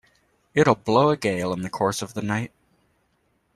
It'll blow a gale in the course of the night!